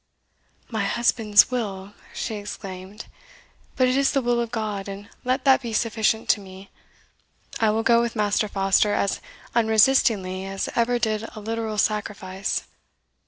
"My husband's will!" she exclaimed. "But it is the will of God, and let that be sufficient to me. I will go with Master Foster as unresistingly as ever did a literal sacrifice.